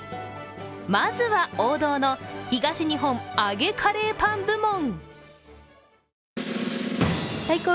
まずは、王道の東日本揚げカレーパン部門。